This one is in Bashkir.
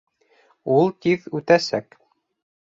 Ул тиҙ үтәсәк